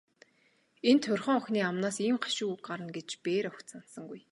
Энэ турьхан охины амнаас ийм гашуун үг гарна гэж тэр бээр огт санасангүй.